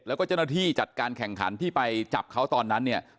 แล้วก็เจ้าหน้าที่จัดการแข่งขันที่ไปจับเขาตอนนั้นเนี่ย